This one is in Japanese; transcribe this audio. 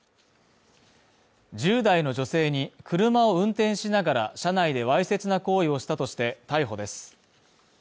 １０代の女性に車を運転しながら車内でわいせつな行為をしたとして逮捕です。